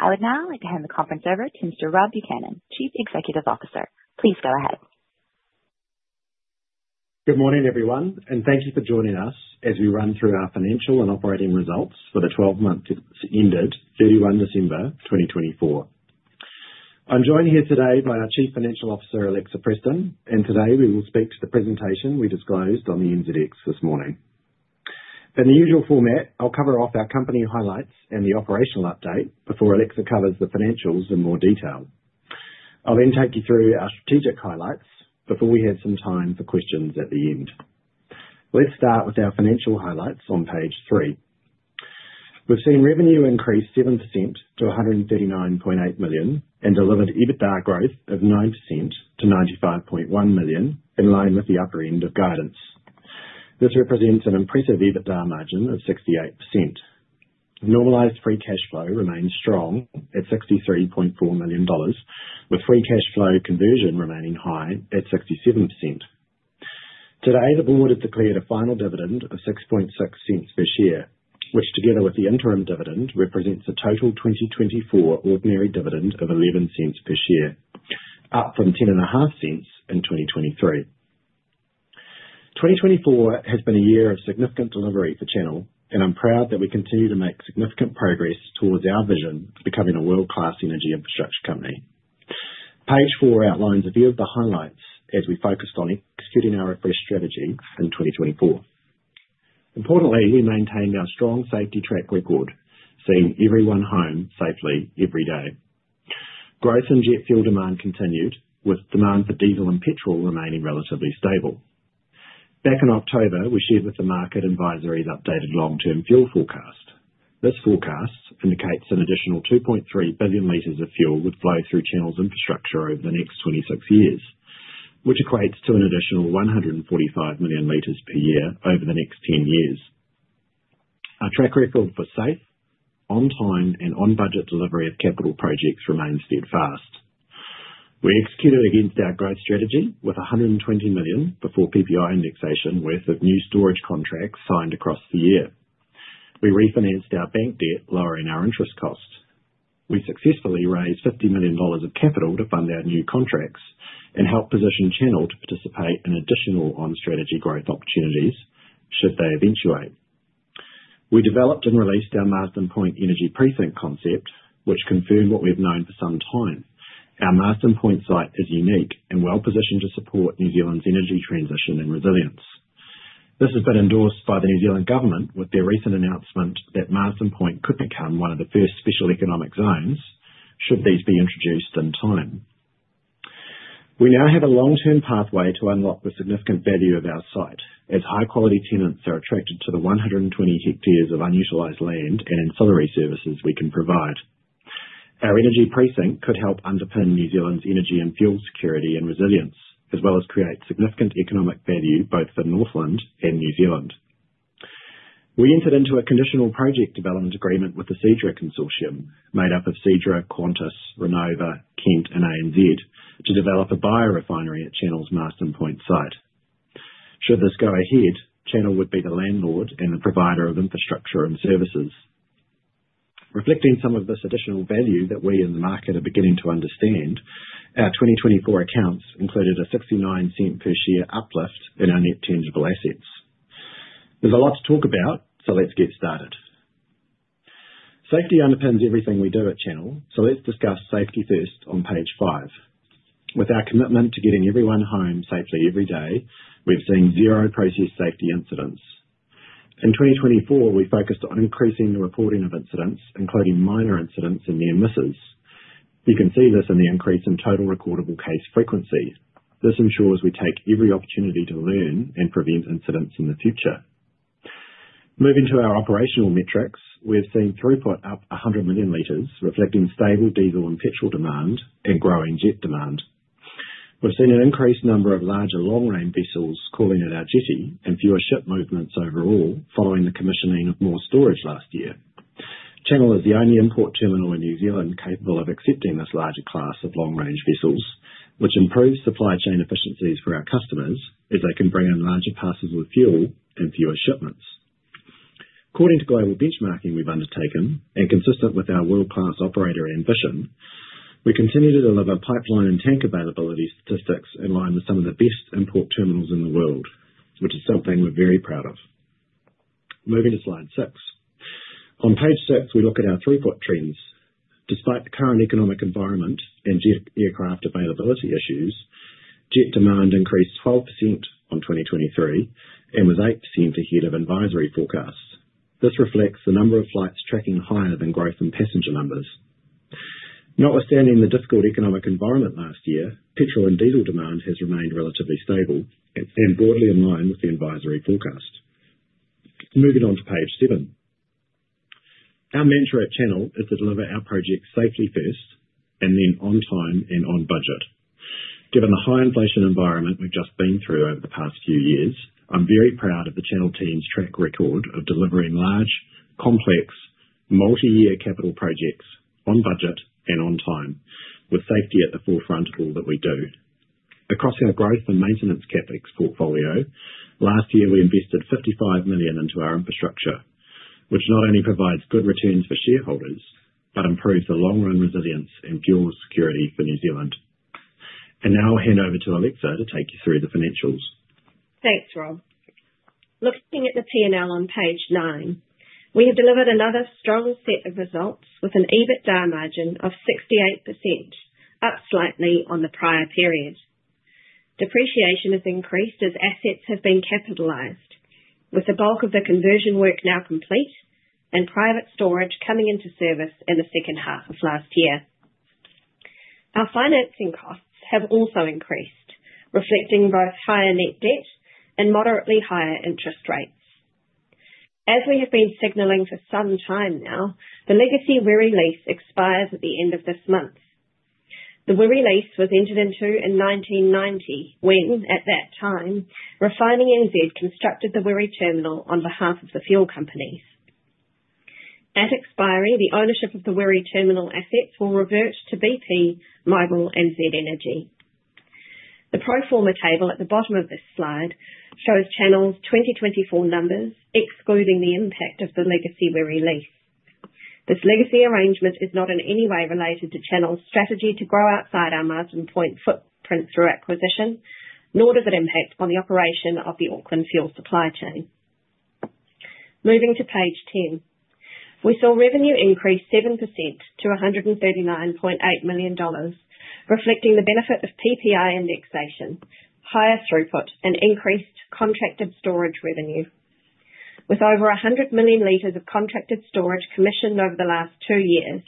I would now like to hand the conference over to Mr. Rob Buchanan, Chief Executive Officer. Please go ahead. Good morning, everyone, and thank you for joining us as we run through our financial and operating results for the 12 months that ended 31 December 2024. I'm joined here today by our Chief Financial Officer, Alexa Preston, and today we will speak to the presentation we disclosed on the NZX this morning. In the usual format, I'll cover off our company highlights and the operational update before Alexa covers the financials in more detail. I'll then take you through our strategic highlights before we have some time for questions at the end. Let's start with our financial highlights on page three. We've seen revenue increase 7% to 139.8 million and delivered EBITDA growth of 9% to 95.1 million, in line with the upper end of guidance. This represents an impressive EBITDA margin of 68%. Normalized free cash flow remains strong at 63.4 million dollars, with free cash flow conversion remaining high at 67%. Today, the board has declared a final dividend of 0.066 per share, which, together with the interim dividend, represents a total 2024 ordinary dividend of 0.11 per share, up from 0.105 in 2023. 2024 has been a year of significant delivery for Channel, and I'm proud that we continue to make significant progress towards our vision of becoming a world-class energy infrastructure company. Page four outlines a view of the highlights as we focused on executing our refresh strategy in 2024. Importantly, we maintained our strong safety track record, seeing everyone home safely every day. Growth in jet fuel demand continued, with demand for diesel and petrol remaining relatively stable. Back in October, we shared with the market advisory the updated long-term fuel forecast. This forecast indicates an additional 2.3 billion liters of fuel would flow through Channel's infrastructure over the next 26 years, which equates to an additional 145 million liters per year over the next 10 years. Our track record for safe, on-time, and on-budget delivery of capital projects remains steadfast. We executed against our growth strategy with 120 million before PPI indexation worth of new storage contracts signed across the year. We refinanced our bank debt, lowering our interest costs. We successfully raised 50 million dollars of capital to fund our new contracts and helped position Channel to participate in additional on-strategy growth opportunities should they eventuate. We developed and released our Marsden Point Energy Precinct concept, which confirmed what we've known for some time. Our Marsden Point site is unique and well-positioned to support New Zealand's energy transition and resilience. This has been endorsed by the New Zealand government with their recent announcement that Marsden Point could become one of the first special economic zones should these be introduced in time. We now have a long-term pathway to unlock the significant value of our site as high-quality tenants are attracted to the 120 hectares of unutilized land and ancillary services we can provide. Our energy precinct could help underpin New Zealand's energy and fuel security and resilience, as well as create significant economic value both for Northland and New Zealand. We entered into a conditional project development agreement with the Seadra Consortium, made up of Seadra, Qantas, Renova, Kent, and ANZ, to develop a biorefinery at Channel's Marsden Point site. Should this go ahead, Channel would be the landlord and the provider of infrastructure and services. Reflecting some of this additional value that we in the market are beginning to understand, our 2024 accounts included a 0.69 per share uplift in our net tangible assets. There's a lot to talk about, so let's get started. Safety underpins everything we do at Channel, so let's discuss safety first on page five. With our commitment to getting everyone home safely every day, we've seen zero process safety incidents. In 2024, we focused on increasing the reporting of incidents, including minor incidents and near misses. You can see this in the increase in total recordable case frequency. This ensures we take every opportunity to learn and prevent incidents in the future. Moving to our operational metrics, we've seen throughput up 100 million liters, reflecting stable diesel and petrol demand and growing jet demand. We've seen an increased number of larger long-range vessels calling at our jetty and fewer ship movements overall following the commissioning of more storage last year. Channel is the only import terminal in New Zealand capable of accepting this larger class of long-range vessels, which improves supply chain efficiencies for our customers as they can bring in larger parcels with fuel and fewer shipments. According to global benchmarking we've undertaken, and consistent with our world-class operator ambition, we continue to deliver pipeline and tank availability statistics in line with some of the best import terminals in the world, which is something we're very proud of. Moving to slide six. On page six, we look at our throughput trends. Despite the current economic environment and jet aircraft availability issues, jet demand increased 12% on 2023 and was 8% ahead of advisory forecasts. This reflects the number of flights tracking higher than growth in passenger numbers. Notwithstanding the difficult economic environment last year, petrol and diesel demand has remained relatively stable and broadly in line with the advisory forecast. Moving on to page seven. Our mantra at Channel is to deliver our projects safely first and then on time and on budget. Given the high inflation environment we've just been through over the past few years, I'm very proud of the Channel team's track record of delivering large, complex, multi-year capital projects on budget and on time, with safety at the forefront of all that we do. Across our growth and maintenance CapEx portfolio, last year we invested 55 million into our infrastructure, which not only provides good returns for shareholders but improves the long-run resilience and fuel security for New Zealand. Now I'll hand over to Alexa to take you through the financials. Thanks, Rob. Looking at the P&L on page nine, we have delivered another strong set of results with an EBITDA margin of 68%, up slightly on the prior period. Depreciation has increased as assets have been capitalized, with the bulk of the conversion work now complete and private storage coming into service in the second half of last year. Our financing costs have also increased, reflecting both higher net debt and moderately higher interest rates. As we have been signaling for some time now, the legacy Wiri lease expires at the end of this month. The Wiri lease was entered into in 1990 when, at that time, Refining NZ constructed the Wiri terminal on behalf of the fuel company. At expiry, the ownership of the Wiri terminal assets will revert to BP, Mobil, and Z Energy. The pro forma table at the bottom of this slide shows Channel's 2024 numbers, excluding the impact of the legacy Wiri lease. This legacy arrangement is not in any way related to Channel's strategy to grow outside our Marsden Point footprint through acquisition, nor does it impact on the operation of the Auckland fuel supply chain. Moving to page ten, we saw revenue increase 7% to 139.8 million dollars, reflecting the benefit of PPI indexation, higher throughput, and increased contracted storage revenue. With over 100 million liters of contracted storage commissioned over the last two years,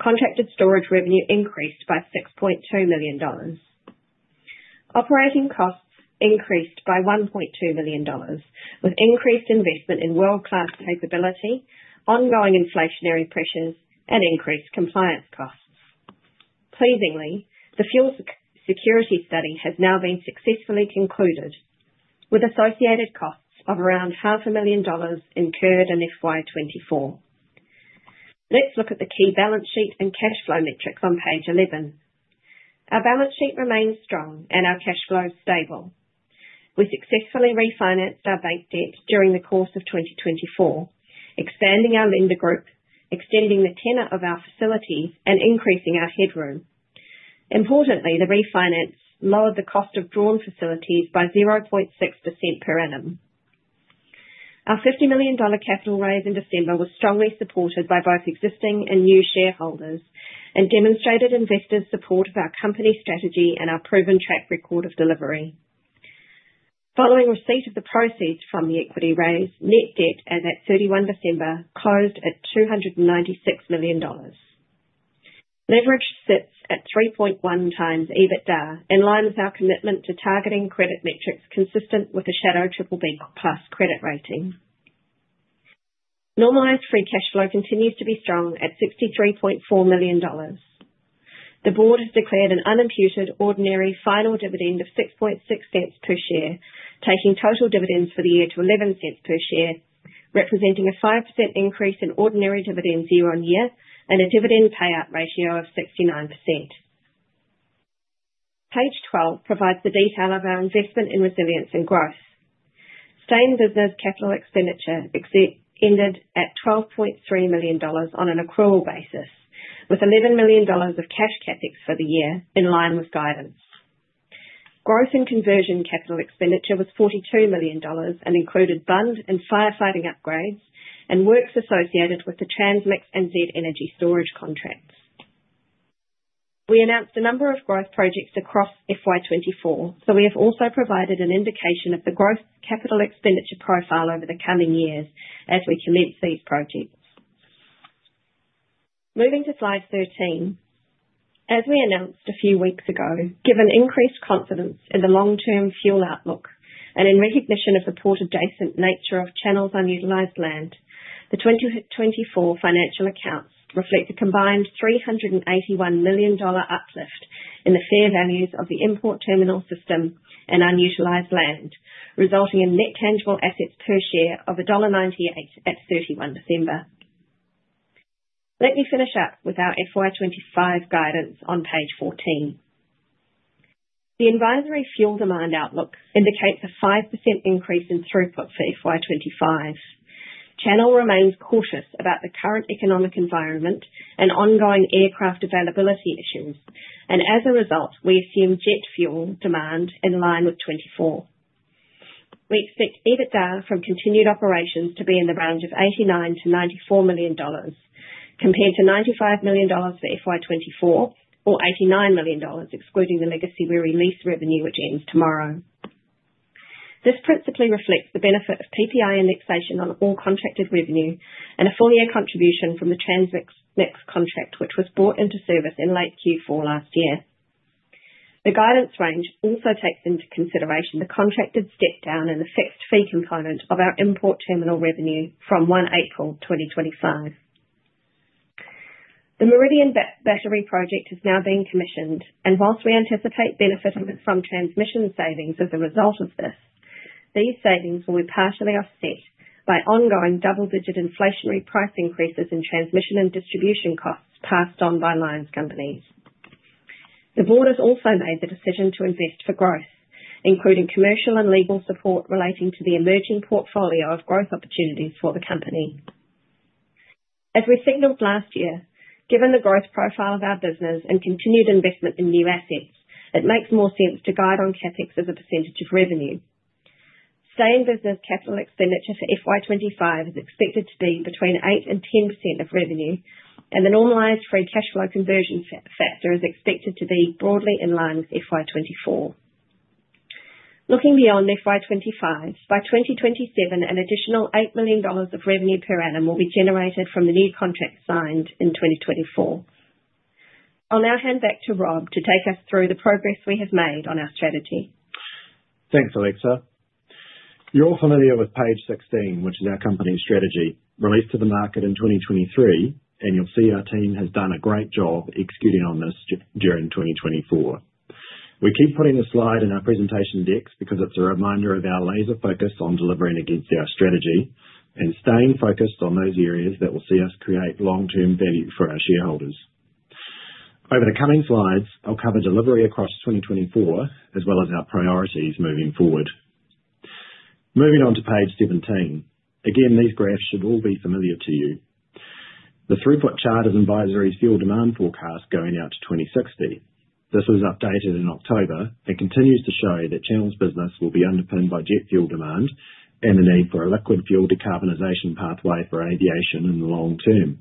contracted storage revenue increased by 6.2 million dollars. Operating costs increased by 1.2 million dollars, with increased investment in world-class capability, ongoing inflationary pressures, and increased compliance costs. Pleasingly, the fuel security study has now been successfully concluded, with associated costs of around 500,000 dollars incurred in FY24. Let's look at the key balance sheet and cash flow metrics on page 11. Our balance sheet remains strong and our cash flow is stable. We successfully refinanced our bank debt during the course of 2024, expanding our lender group, extending the tenure of our facilities, and increasing our headroom. Importantly, the refinance lowered the cost of drawn facilities by 0.6% per annum. Our 50 million dollar capital raise in December was strongly supported by both existing and new shareholders and demonstrated investors' support of our company strategy and our proven track record of delivery. Following receipt of the proceeds from the equity raise, net debt as at 31 December closed at 296 million dollars. Leverage sits at 3.1 times EBITDA in line with our commitment to targeting credit metrics consistent with the Shadow BBB+ credit rating. Normalized free cash flow continues to be strong at 63.4 million dollars. The board has declared an unimputed ordinary final dividend of 0.066 per share, taking total dividends for the year to 0.11 per share, representing a 5% increase in ordinary dividends year on year and a dividend payout ratio of 69%. Page 12 provides the detail of our investment in resilience and growth. Sustained business capital expenditure ended at 12.3 million dollars on an accrual basis, with 11 million dollars of cash CapEx for the year in line with guidance. Growth and conversion capital expenditure was 42 million dollars and included bund and firefighting upgrades and works associated with the TransMix and Z Energy storage contracts. We announced a number of growth projects across FY24, so we have also provided an indication of the growth capital expenditure profile over the coming years as we commence these projects. Moving to slide 13. As we announced a few weeks ago, given increased confidence in the long-term fuel outlook and in recognition of the port-adjacent nature of Channel's unutilized land, the 2024 financial accounts reflect a combined 381 million dollar uplift in the fair values of the import terminal system and unutilized land, resulting in net tangible assets per share of dollar 1.98 at 31 December. Let me finish up with our FY25 guidance on page 14. The advisory fuel demand outlook indicates a 5% increase in throughput for FY25. Channel remains cautious about the current economic environment and ongoing aircraft availability issues, and as a result, we assume jet fuel demand in line with '24. We expect EBITDA from continued operations to be in the range of 89 million-94 million dollars, compared to 95 million dollars for FY24 or 89 million dollars, excluding the legacy Wiri lease revenue which ends tomorrow. This principally reflects the benefit of PPI indexation on all contracted revenue and a full-year contribution from the TransMix next contract, which was brought into service in late Q4 last year. The guidance range also takes into consideration the contracted step-down and the fixed fee component of our import terminal revenue from 1 April 2025. The Meridian Battery project is now being commissioned, and while we anticipate benefiting from transmission savings as a result of this, these savings will be partially offset by ongoing double-digit inflationary price increases in transmission and distribution costs passed on by lines companies. The board has also made the decision to invest for growth, including commercial and legal support relating to the emerging portfolio of growth opportunities for the company. As we signaled last year, given the growth profile of our business and continued investment in new assets, it makes more sense to guide on CapEx as a percentage of revenue. Steady-state business capital expenditure for FY25 is expected to be between 8%-10% of revenue, and the normalized free cash flow conversion factor is expected to be broadly in line with FY24. Looking beyond FY25, by 2027, an additional $8 million of revenue per annum will be generated from the new contract signed in 2024. I'll now hand back to Rob to take us through the progress we have made on our strategy. Thanks, Alexa. You're all familiar with page 16, which is our company strategy, released to the market in 2023, and you'll see our team has done a great job executing on this during 2024. We keep putting this slide in our presentation decks because it's a reminder of our laser focus on delivering against our strategy and staying focused on those areas that will see us create long-term value for our shareholders. Over the coming slides, I'll cover delivery across 2024, as well as our priorities moving forward. Moving on to page 17. Again, these graphs should all be familiar to you. The throughput chart is advisory fuel demand forecast going out to 2060. This was updated in October and continues to show that Channel's business will be underpinned by jet fuel demand and the need for a liquid fuel decarbonization pathway for aviation in the long term.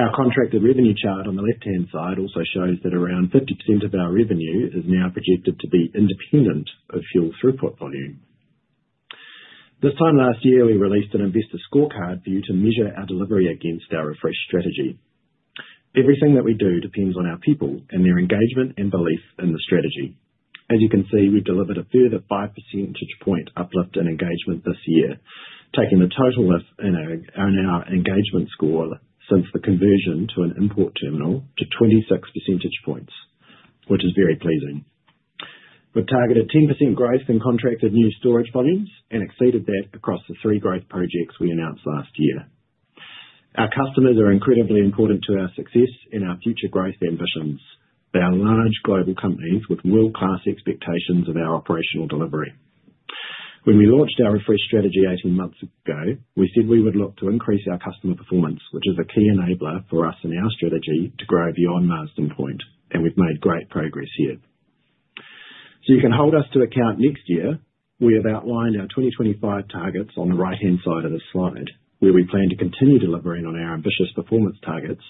Our contracted revenue chart on the left-hand side also shows that around 50% of our revenue is now projected to be independent of fuel throughput volume. This time last year, we released an Investor Scorecard for you to measure our delivery against our refreshed strategy. Everything that we do depends on our people and their engagement and belief in the strategy. As you can see, we've delivered a further 5 percentage point uplift in engagement this year, taking the total of our engagement score since the conversion to an import terminal to 26 percentage points, which is very pleasing. We've targeted 10% growth in contracted new storage volumes and exceeded that across the three growth projects we announced last year. Our customers are incredibly important to our success and our future growth ambitions. They are large global companies with world-class expectations of our operational delivery. When we launched our refreshed strategy 18 months ago, we said we would look to increase our customer performance, which is a key enabler for us in our strategy to grow beyond Marsden Point, and we've made great progress here. So you can hold us to account next year. We have outlined our 2025 targets on the right-hand side of this slide, where we plan to continue delivering on our ambitious performance targets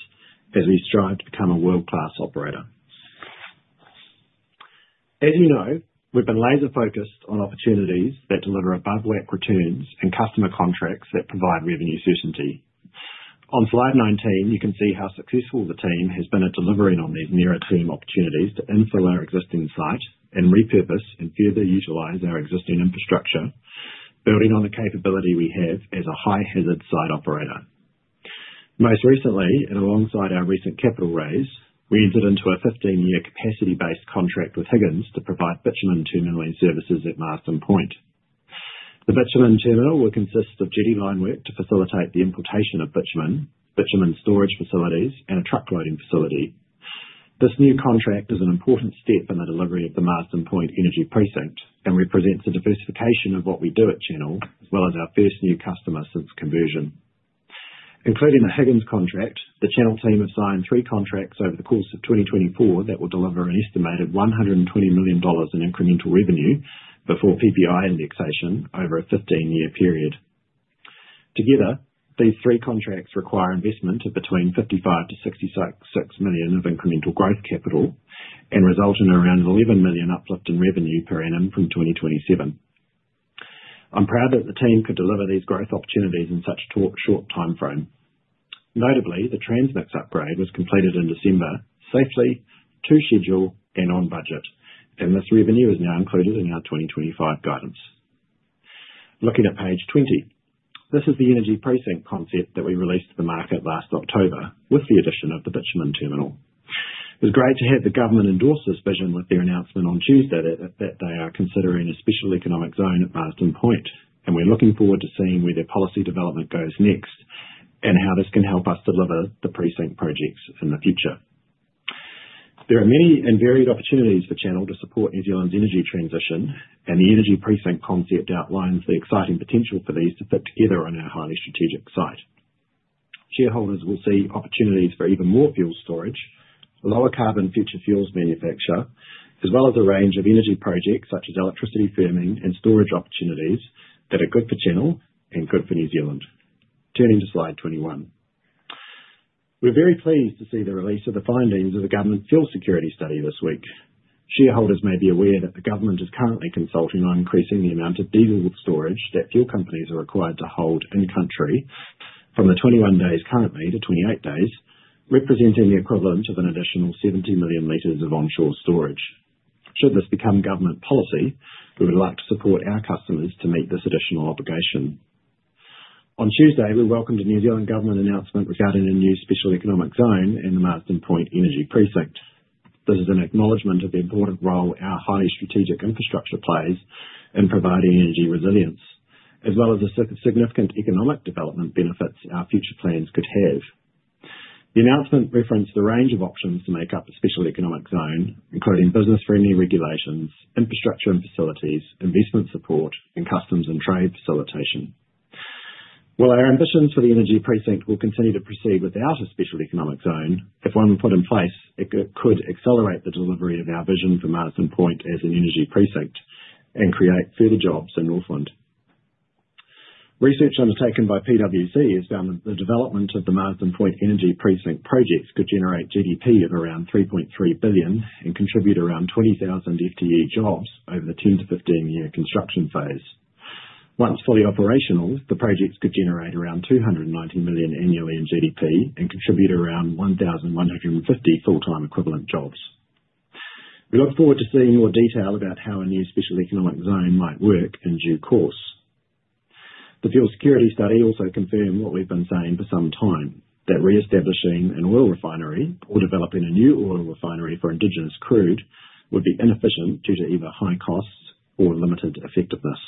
as we strive to become a world-class operator. As you know, we've been laser focused on opportunities that deliver above-WACC returns and customer contracts that provide revenue certainty. On slide 19, you can see how successful the team has been at delivering on these nearer-term opportunities to infill our existing site and repurpose and further utilize our existing infrastructure, building on the capability we have as a high-hazard site operator. Most recently, and alongside our recent capital raise, we entered into a 15-year capacity-based contract with Higgins to provide bitumen terminaling services at Marsden Point. The bitumen terminal will consist of jetty line work to facilitate the importation of bitumen, bitumen storage facilities, and a truck loading facility. This new contract is an important step in the delivery of the Marsden Point Energy Precinct and represents a diversification of what we do at Channel, as well as our first new customer since conversion. Including the Higgins contract, the Channel team have signed three contracts over the course of 2024 that will deliver an estimated 120 million dollars in incremental revenue before PPI indexation over a 15-year period. Together, these three contracts require investment of between 55 million to 66 million of incremental growth capital and result in around 11 million uplift in revenue per annum from 2027. I'm proud that the team could deliver these growth opportunities in such a short time frame. Notably, the TransMix upgrade was completed in December, safely, to schedule and on budget, and this revenue is now included in our 2025 guidance. Looking at page 20, this is the energy precinct concept that we released to the market last October with the addition of the bitumen terminal. It was great to have the government endorse this vision with their announcement on Tuesday that they are considering a special economic zone at Marsden Point, and we're looking forward to seeing where their policy development goes next and how this can help us deliver the precinct projects in the future. There are many and varied opportunities for Channel to support New Zealand's energy transition, and the energy precinct concept outlines the exciting potential for these to fit together on our highly strategic site. Shareholders will see opportunities for even more fuel storage, a lower-carbon future fuels manufacturer, as well as a range of energy projects such as electricity firming and storage opportunities that are good for Channel and good for New Zealand. Turning to slide 21, we're very pleased to see the release of the findings of the government fuel security study this week. Shareholders may be aware that the government is currently consulting on increasing the amount of diesel storage that fuel companies are required to hold in-country from the 21 days currently to 28 days, representing the equivalent of an additional 70 million liters of onshore storage. Should this become government policy, we would like to support our customers to meet this additional obligation. On Tuesday, we welcomed a New Zealand government announcement regarding a new special economic zone in the Marsden Point Energy Precinct. This is an acknowledgment of the important role our highly strategic infrastructure plays in providing energy resilience, as well as the significant economic development benefits our future plans could have. The announcement referenced the range of options to make up a special economic zone, including business-friendly regulations, infrastructure and facilities, investment support, and customs and trade facilitation. While our ambitions for the energy precinct will continue to proceed without a special economic zone, if one were put in place, it could accelerate the delivery of our vision for Marsden Point as an energy precinct and create further jobs in Northland. Research undertaken by PwC has found that the development of the Marsden Point Energy Precinct projects could generate GDP of around 3.3 billion and contribute around 20,000 FTE jobs over the 10- to 15-year construction phase. Once fully operational, the projects could generate around 290 million annually in GDP and contribute around 1,150 full-time equivalent jobs. We look forward to seeing more detail about how a new special economic zone might work in due course. The fuel security study also confirmed what we've been saying for some time, that re-establishing an oil refinery or developing a new oil refinery for indigenous crude would be inefficient due to either high costs or limited effectiveness.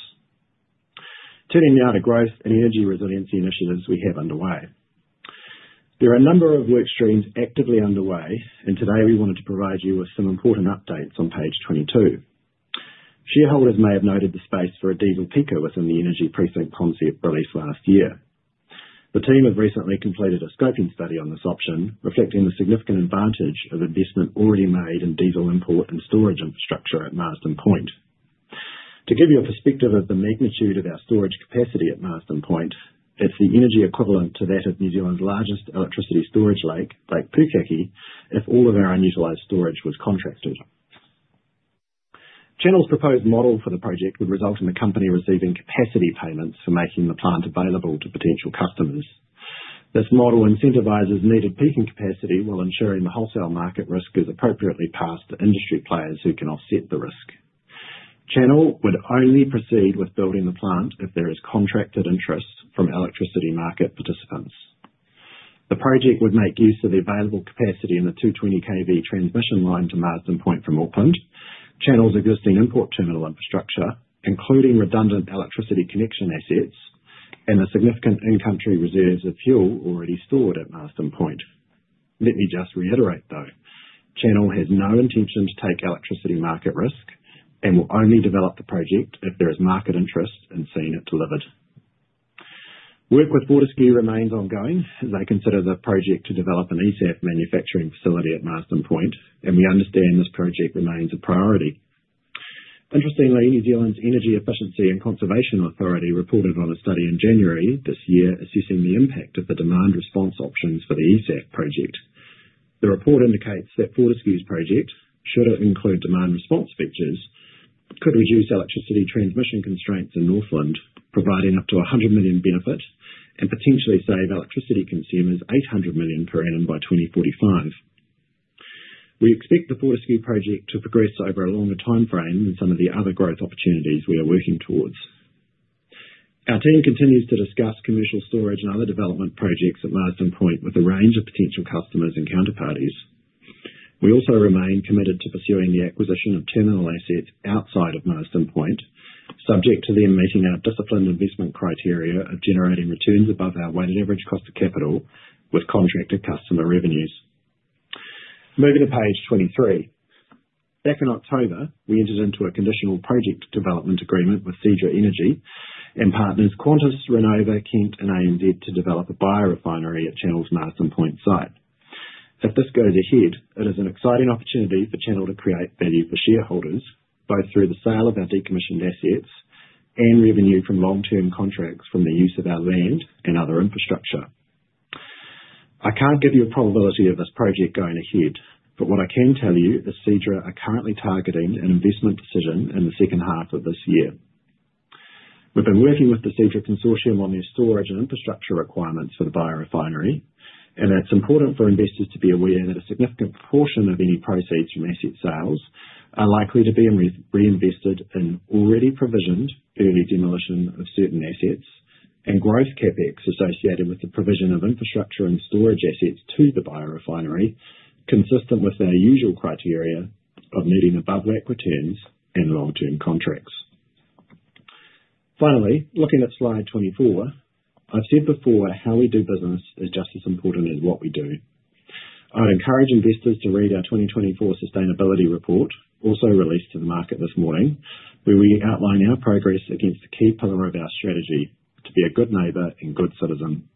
Turning now to growth and energy resiliency initiatives we have underway. There are a number of work streams actively underway, and today we wanted to provide you with some important updates on page 22. Shareholders may have noted the space for a diesel peaker within the energy precinct concept released last year. The team have recently completed a scoping study on this option, reflecting the significant advantage of investment already made in diesel import and storage infrastructure at Marsden Point. To give you a perspective of the magnitude of our storage capacity at Marsden Point, it's the energy equivalent to that of New Zealand's largest electricity storage lake, Lake Pukaki, if all of our unutilized storage was contracted. Channel's proposed model for the project would result in the company receiving capacity payments for making the plant available to potential customers. This model incentivizes needed peaking capacity while ensuring the wholesale market risk is appropriately passed to industry players who can offset the risk. Channel would only proceed with building the plant if there is contracted interest from electricity market participants. The project would make use of the available capacity in the 220 kV transmission line to Marsden Point from Auckland, Channel's existing import terminal infrastructure, including redundant electricity connection assets and the significant in-country reserves of fuel already stored at Marsden Point. Let me just reiterate, though, Channel has no intention to take electricity market risk and will only develop the project if there is market interest in seeing it delivered. Work with Fortescue remains ongoing as they consider the project to develop an eSAF manufacturing facility at Marsden Point, and we understand this project remains a priority. Interestingly, New Zealand's Energy Efficiency and Conservation Authority reported on a study in January this year assessing the impact of the demand response options for the eSAF project. The report indicates that Fortescue's project, should it include demand response features, could reduce electricity transmission constraints in Northland, providing up to 100 million benefit and potentially save electricity consumers 800 million per annum by 2045. We expect the Fortescue project to progress over a longer time frame than some of the other growth opportunities we are working towards. Our team continues to discuss commercial storage and other development projects at Marsden Point with a range of potential customers and counterparties. We also remain committed to pursuing the acquisition of terminal assets outside of Marsden Point, subject to them meeting our disciplined investment criteria of generating returns above our weighted average cost of capital with contracted customer revenues. Moving to page 23, back in October, we entered into a conditional project development agreement with Seadra Energy and partners Qantas, Renova, Kent, and ANZ to develop a biorefinery at Channel's Marsden Point site. If this goes ahead, it is an exciting opportunity for Channel to create value for shareholders, both through the sale of our decommissioned assets and revenue from long-term contracts from the use of our land and other infrastructure. I can't give you a probability of this project going ahead, but what I can tell you is Seadra are currently targeting an investment decision in the second half of this year. We've been working with the Seadra Consortium on their storage and infrastructure requirements for the biorefinery, and it's important for investors to be aware that a significant portion of any proceeds from asset sales are likely to be reinvested in already provisioned early demolition of certain assets and growth CapEx associated with the provision of infrastructure and storage assets to the biorefinery, consistent with our usual criteria of needing above-WACC returns and long-term contracts. Finally, looking at slide 24, I've said before how we do business is just as important as what we do. I'd encourage investors to read our 2024 sustainability report, also released to the market this morning, where we outline our progress against the key pillar of our strategy to be a good neighbor and good citizen.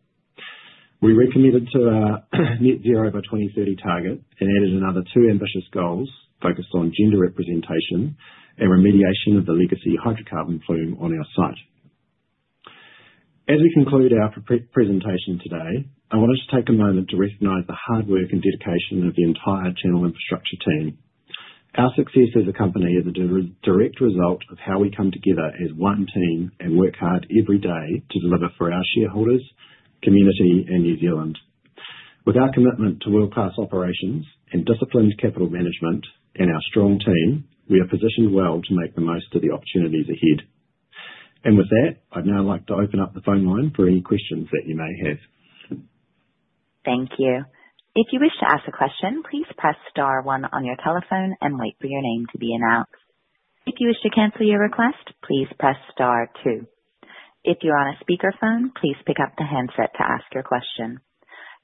We recommitted to our net zero by 2030 target and added another two ambitious goals focused on gender representation and remediation of the legacy hydrocarbon plume on our site. As we conclude our presentation today, I wanted to take a moment to recognize the hard work and dedication of the entire Channel Infrastructure team. Our success as a company is a direct result of how we come together as one team and work hard every day to deliver for our shareholders, community, and New Zealand. With our commitment to world-class operations and disciplined capital management and our strong team, we are positioned well to make the most of the opportunities ahead. And with that, I'd now like to open up the phone line for any questions that you may have. Thank you. If you wish to ask a question, please press star one on your telephone and wait for your name to be announced. If you wish to cancel your request, please press star two. If you're on a speakerphone, please pick up the handset to ask your question.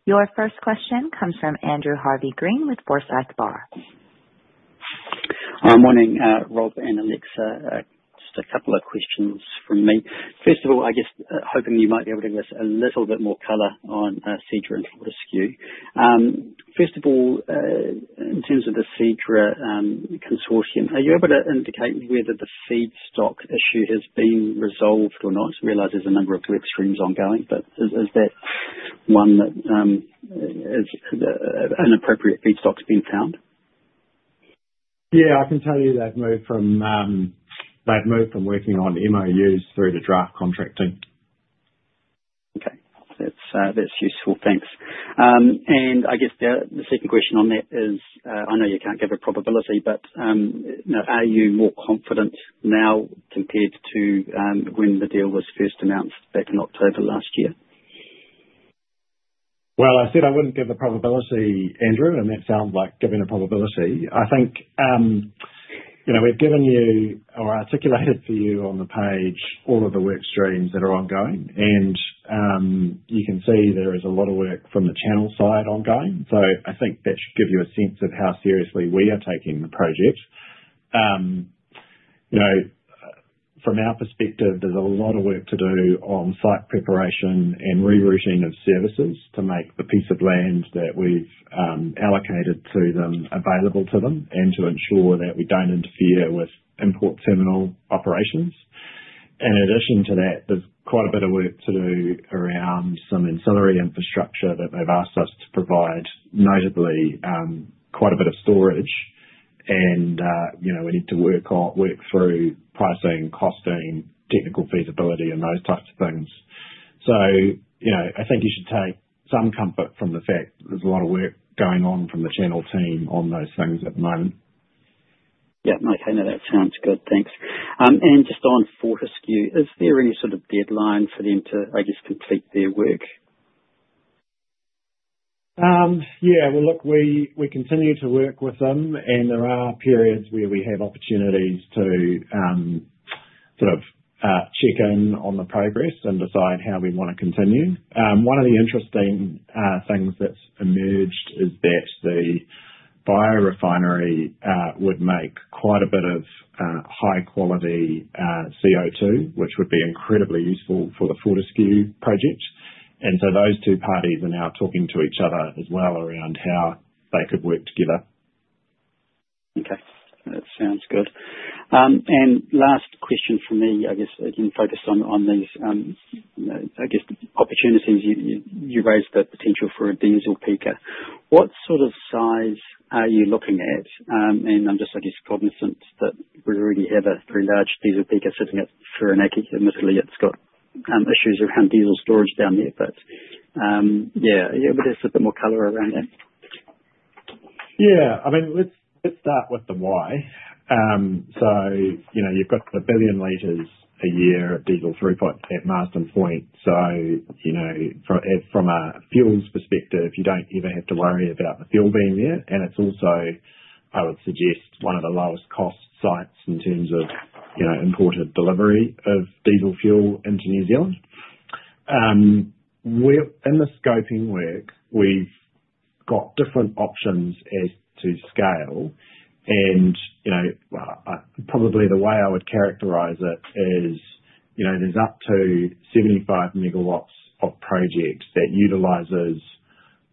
Your first question comes from Andrew Harvey-Green with Forsyth Barr. Morning, Rob and Alexa. Just a couple of questions from me. First of all, I guess hoping you might be able to give us a little bit more color on Seadra and Fortescue. First of all, in terms of the Seadra Consortium, are you able to indicate whether the feedstock issue has been resolved or not? I realize there's a number of work streams ongoing, but is that one that an appropriate feedstock's been found? Yeah, I can tell you they've moved from working on MOUs through to draft contracting. Okay. That's useful. Thanks. And I guess the second question on that is, I know you can't give a probability, but are you more confident now compared to when the deal was first announced back in October last year? Well, I said I wouldn't give a probability, Andrew, and that sounds like giving a probability. I think we've given you or articulated for you on the page all of the work streams that are ongoing, and you can see there is a lot of work from the Channel side ongoing. So I think that should give you a sense of how seriously we are taking the project. From our perspective, there's a lot of work to do on site preparation and rerouting of services to make the piece of land that we've allocated to them available to them and to ensure that we don't interfere with import terminal operations. In addition to that, there's quite a bit of work to do around some ancillary infrastructure that they've asked us to provide, notably quite a bit of storage, and we need to work through pricing, costing, technical feasibility, and those types of things. So I think you should take some comfort from the fact there's a lot of work going on from the Channel team on those things at the moment. Yeah. Okay. No, that sounds good. Thanks. And just on Fortescue, is there any sort of deadline for them to, I guess, complete their work? Yeah. Well, look, we continue to work with them, and there are periods where we have opportunities to sort of check in on the progress and decide how we want to continue. One of the interesting things that's emerged is that the biorefinery would make quite a bit of high-quality CO2, which would be incredibly useful for the Fortescue project. And so those two parties are now talking to each other as well around how they could work together. Okay. That sounds good. And last question from me, I guess, again, focused on these, I guess, opportunities. You raised the potential for a diesel peaker. What sort of size are you looking at? And I'm just, I guess, cognizant that we already have a pretty large diesel peaker sitting at Whirinaki. Admittedly, it's got issues around diesel storage down there, but yeah, give us a bit more color around that. Yeah. I mean, let's start with the why. So you've got 1 billion liters a year of diesel throughput at Marsden Point. So from a fuels perspective, you don't even have to worry about the fuel being there. And it's also, I would suggest, one of the lowest-cost sites in terms of imported delivery of diesel fuel into New Zealand. In the scoping work, we've got different options as to scale. And probably the way I would characterize it is there's up to 75 megawatts of project that utilizes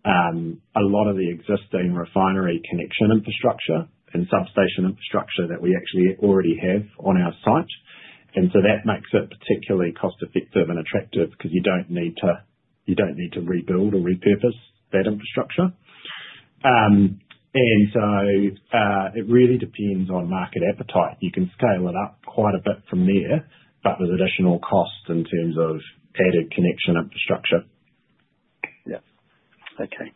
a lot of the existing refinery connection infrastructure and substation infrastructure that we actually already have on our site. And so that makes it particularly cost-effective and attractive because you don't need to rebuild or repurpose that infrastructure. And so it really depends on market appetite. You can scale it up quite a bit from there, but there's additional cost in terms of added connection infrastructure. Yeah. Okay.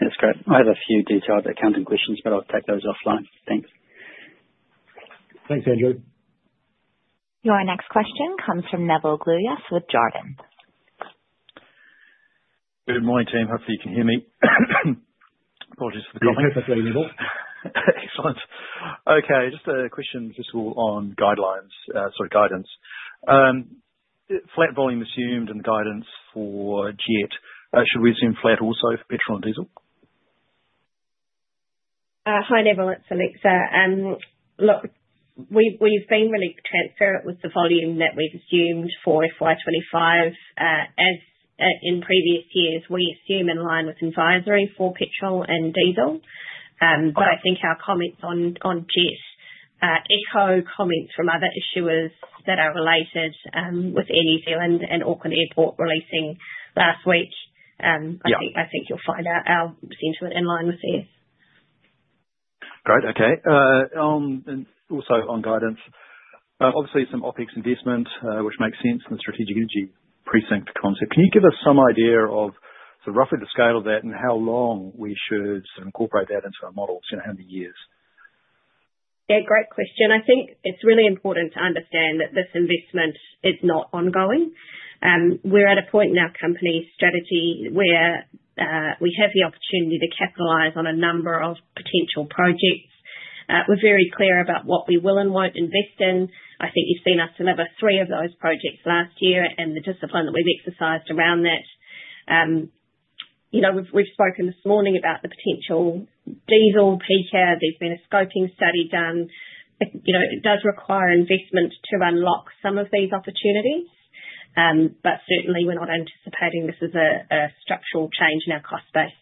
That's great. I have a few detailed accounting questions, but I'll take those offline. Thanks. Thanks, Andrew. Your next question comes from Neville Gluyas with Jarden. Good morning, team. Hopefully, you can hear me. Apologies for the comment. You're perfectly audible. Excellent. Okay. Just a question, first of all, on guidelines, sorry, guidance. Flat volume assumed and guidance for JET. Should we assume flat also for petrol and diesel? Hi, Neville. It's Alexa. Look, we've been really transparent with the volume that we've assumed for FY25. In previous years, we assume in line with advisory for petrol and diesel. But I think our comments on JET echo comments from other issuers that are related with Air New Zealand and Auckland Airport releasing last week. I think you'll find out our sentiment in line with this. Great. Okay. And also on guidance, obviously, some OpEx investment, which makes sense in the strategic energy precinct concept. Can you give us some idea of roughly the scale of that and how long we should sort of incorporate that into our models? How many years? Yeah. Great question. I think it's really important to understand that this investment is not ongoing. We're at a point in our company's strategy where we have the opportunity to capitalize on a number of potential projects. We're very clear about what we will and won't invest in. I think you've seen us deliver three of those projects last year and the discipline that we've exercised around that. We've spoken this morning about the potential diesel peaker. There's been a scoping study done. It does require investment to unlock some of these opportunities, but certainly, we're not anticipating this as a structural change in our cost base.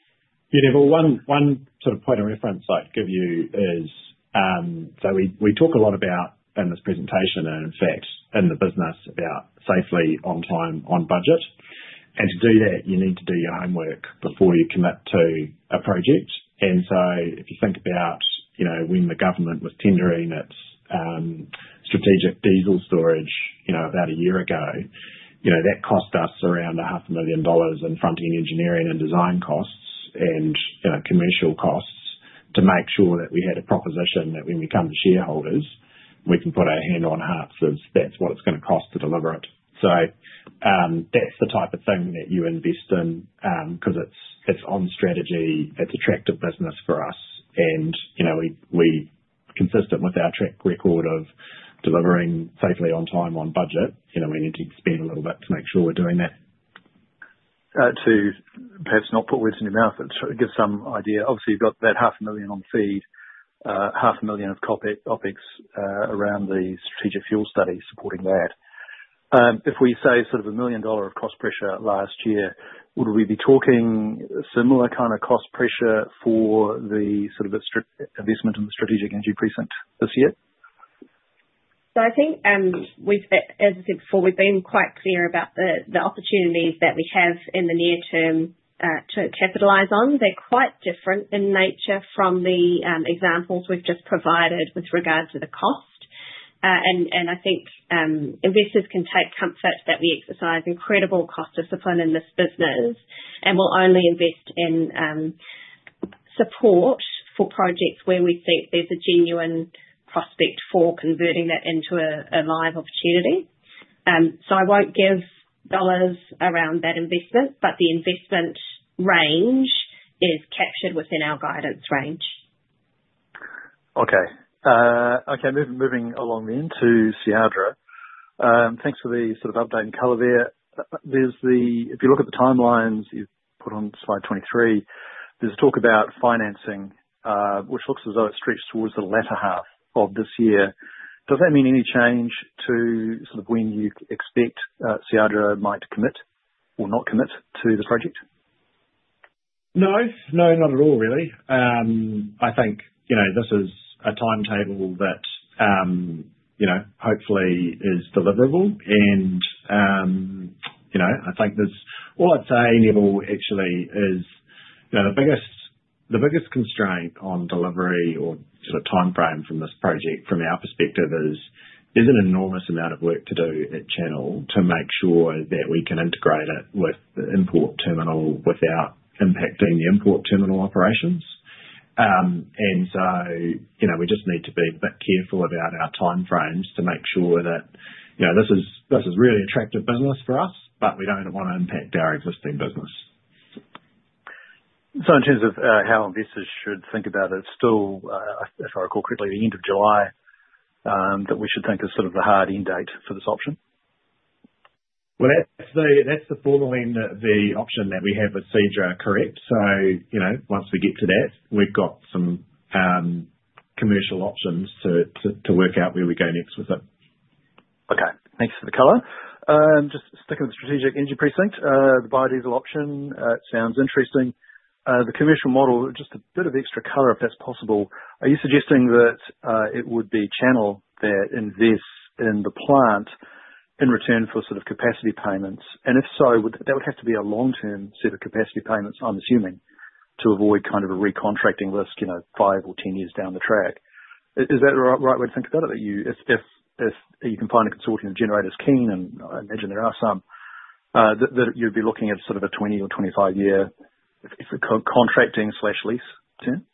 Yeah. Neville, one sort of point of reference I'd give you is so we talk a lot about in this presentation and, in fact, in the business about safely on time on budget. And to do that, you need to do your homework before you commit to a project. And so if you think about when the government was tendering its strategic diesel storage about a year ago, that cost us around 500,000 dollars in front-end engineering and design costs and commercial costs to make sure that we had a proposition that when we come to shareholders, we can put our hand on hearts of that's what it's going to cost to deliver it. So that's the type of thing that you invest in because it's on strategy. It's attractive business for us. Consistent with our track record of delivering safely on time on budget, we need to expend a little bit to make sure we're doing that. To perhaps not put words in your mouth, but to give some idea, obviously, you've got that 500,000 on feed, 500,000 of OpEx around the strategic fuel study supporting that. If we say sort of 1 million dollar of cost pressure last year, would we be talking similar kind of cost pressure for the sort of investment in the strategic energy precinct this year? I think, as I said before, we've been quite clear about the opportunities that we have in the near term to capitalize on. They're quite different in nature from the examples we've just provided with regard to the cost. And I think investors can take comfort that we exercise incredible cost discipline in this business and will only invest in support for projects where we think there's a genuine prospect for converting that into a live opportunity. So I won't give dollars around that investment, but the investment range is captured within our guidance range. Okay. Okay. Moving along then to Seadra. Thanks for the sort of updating color there. If you look at the timelines you've put on slide 23, there's talk about financing, which looks as though it stretches towards the latter half of this year. Does that mean any change to sort of when you expect Seadra might commit or not commit to the project? No. No, not at all, really. I think this is a timetable that hopefully is deliverable. And I think all I'd say, Neville, actually, is the biggest constraint on delivery or sort of timeframe from this project, from our perspective, is there's an enormous amount of work to do at Channel to make sure that we can integrate it with the import terminal without impacting the import terminal operations. And so we just need to be a bit careful about our timeframes to make sure that this is really attractive business for us, but we don't want to impact our existing business. So in terms of how investors should think about it, still, if I recall correctly, the end of July that we should think is sort of the hard end date for this option? Well, that's the formal end of the option that we have with Seadra, correct? So once we get to that, we've got some commercial options to work out where we go next with it. Okay. Thanks for the color. Just sticking with the strategic energy precinct, the biodiesel option, it sounds interesting. The commercial model, just a bit of extra color if that's possible. Are you suggesting that it would be Channel that invests in the plant in return for sort of capacity payments? And if so, that would have to be a long-term set of capacity payments, I'm assuming, to avoid kind of a recontracting risk five or 10 years down the track. Is that the right way to think about it? If you can find a consortium of generators keen, and I imagine there are some, that you'd be looking at sort of a 20 or 25-year contracting/lease term?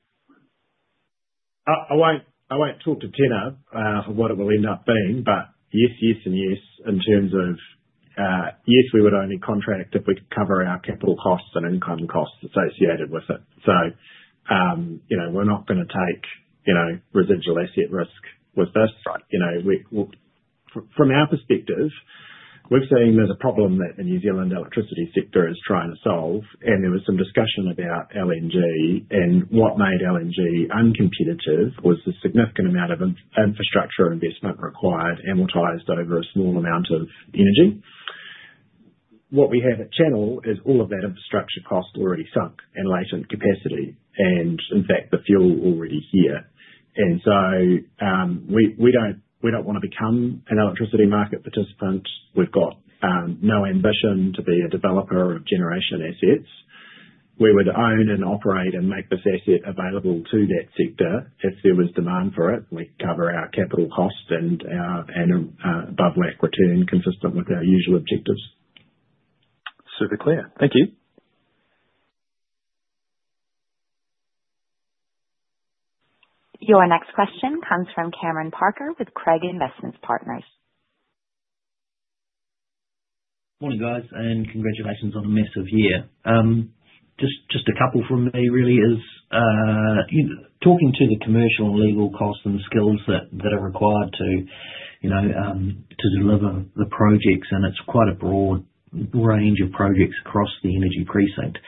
I won't talk to Jenna for what it will end up being, but yes, yes, and yes in terms of yes, we would only contract if we could cover our capital costs and income costs associated with it. So we're not going to take residual asset risk with this. From our perspective, we've seen there's a problem that the New Zealand electricity sector is trying to solve, and there was some discussion about LNG, and what made LNG uncompetitive was the significant amount of infrastructure investment required amortized over a small amount of energy. What we have at Channel is all of that infrastructure cost already sunk and latent capacity, and in fact, the fuel already here, and so we don't want to become an electricity market participant. We've got no ambition to be a developer of generation assets. We would own and operate and make this asset available to that sector if there was demand for it. We cover our capital cost and our above-hurdle return consistent with our usual objectives. Super clear. Thank you. Your next question comes from Cameron Parker with Craigs Investment Partners. Morning, guys, and congratulations on a massive year. Just a couple for me, really, is talking to the commercial and legal costs and skills that are required to deliver the projects. And it's quite a broad range of projects across the energy precinct.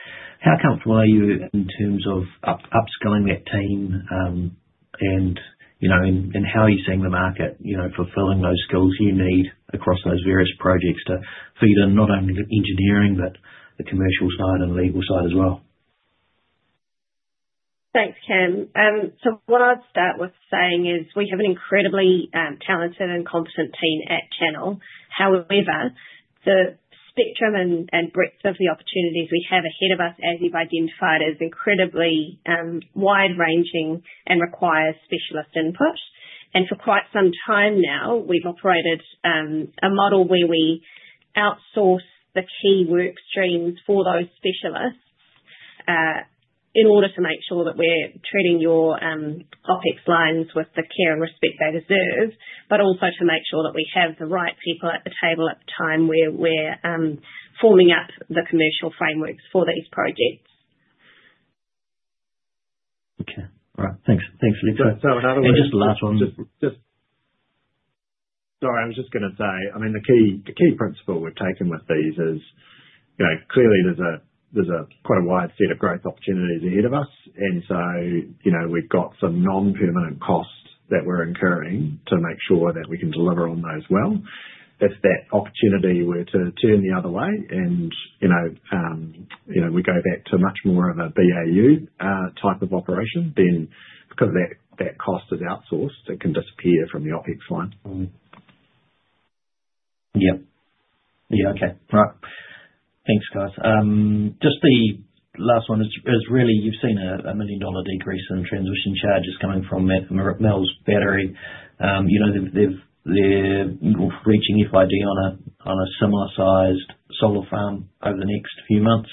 How comfortable are you in terms of upskilling that team and how you're seeing the market fulfilling those skills you need across those various projects to feed in not only the engineering but the commercial side and legal side as well? Thanks, Cam. So what I'd start with saying is we have an incredibly talented and competent team at Channel. However, the spectrum and breadth of the opportunities we have ahead of us, as you've identified, is incredibly wide-ranging and requires specialist input. And for quite some time now, we've operated a model where we outsource the key work streams for those specialists in order to make sure that we're treating your OpEx lines with the care and respect they deserve, but also to make sure that we have the right people at the table at the time where we're forming up the commercial frameworks for these projects. Okay. All right. Thanks. Thanks, Alexa. And just the last one. Sorry, I was just going to say, I mean, the key principle we've taken with these is clearly there's quite a wide set of growth opportunities ahead of us. We've got some non-permanent costs that we're incurring to make sure that we can deliver on those well. If that opportunity were to turn the other way and we go back to much more of a BAU type of operation, then because that cost is outsourced, it can disappear from the OpEx line. Yeah. Yeah. Okay. All right. Thanks, guys. Just the last one is really you've seen a 1 million dollar decrease in transition charges coming from MEL's Battery. They're reaching FID on a similar-sized solar farm over the next few months.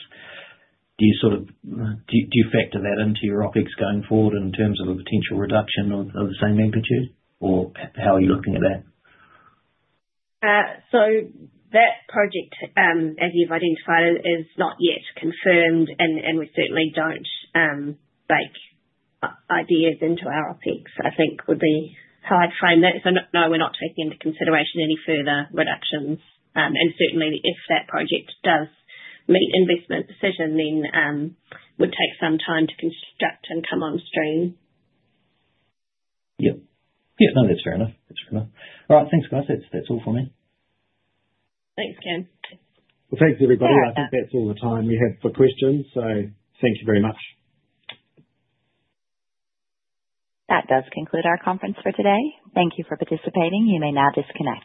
Do you factor that into your OpEx going forward in terms of a potential reduction of the same magnitude, or how are you looking at that? That project, as you've identified, is not yet confirmed, and we certainly don't bake ideas into our OpEx. I think would be how I'd frame that. No, we're not taking into consideration any further reductions. And certainly, if that project does meet investment decision, then it would take some time to construct and come on stream. Yeah. Yeah. No, that's fair enough. That's fair enough. All right. Thanks, guys. That's all from me. Thanks, Cam. Well, thanks, everybody. I think that's all the time we have for questions. So thank you very much. That does conclude our conference for today. Thank you for participating. You may now disconnect.